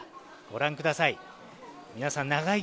ご覧ください。